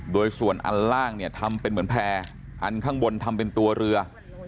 โดยส่วนอันล่างเนี่ยทำเป็นเหมือนแพร่อันข้างบนทำเป็นตัวเรือ